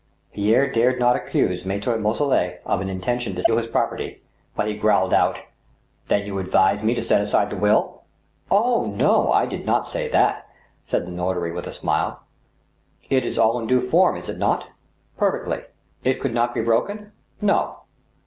Pierre dared not accuse Mahre Boisselot of an intention to steal his property, but he growled out :" Then you advise me to set aside the will ?"" Oh, no ! I did not say that," said the notary, with a smile. It is all in due form, is it not ?" "Perfectly." " It could not be broken ?"" No."